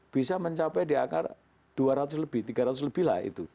bisa mencapai di akar dua ratus lebih tiga ratus lebih lah itu